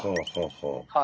はい。